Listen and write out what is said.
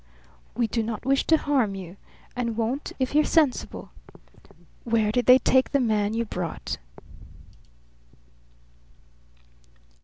"We do not wish to harm you, and won't if you're sensible. Where did they take the man you brought?"